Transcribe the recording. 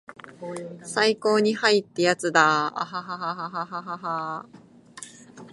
最高にハイ!ってやつだアアアアアアハハハハハハハハハハーッ